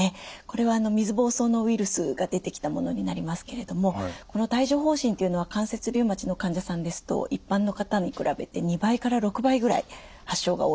これは水ぼうそうのウイルスが出てきたものになりますけれどもこの帯状疱疹っていうのは関節リウマチの患者さんですと一般の方に比べて２倍から６倍ぐらい発症が多いというふうにいわれています。